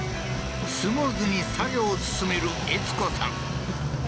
スムーズに作業を進める悦子さん